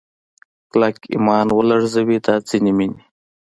کلک ایمان ولړزوي دا ځینې مینې